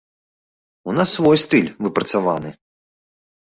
У нас свой стыль выпрацаваны.